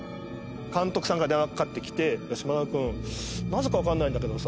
監督さんから電話かかってきて島田君なぜかわかんないんだけどさ